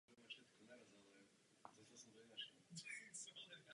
Země vítěze měla také právo uspořádat další ročník.